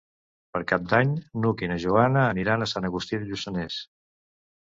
Per Cap d'Any n'Hug i na Joana aniran a Sant Agustí de Lluçanès.